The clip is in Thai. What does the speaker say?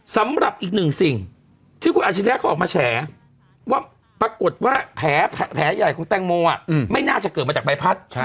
สำหรับอีกหนึ่งสิ่งที่คุณอาชิริยะเขาออกมาแฉว่าปรากฏว่าแผลใหญ่ของแตงโมไม่น่าจะเกิดมาจากใบพัด